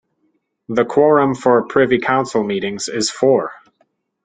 The quorum for Privy Council meetings is four.